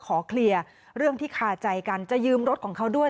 ขอเคลียร์เรื่องที่คาใจกันจะยืมรถของเขาด้วย